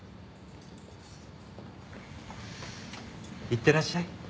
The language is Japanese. いってらっしゃい。